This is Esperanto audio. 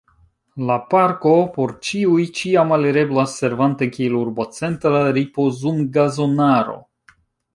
La parko por ĉiuj ĉiam alireblas servante kiel urbocentra ripozumgazonaro.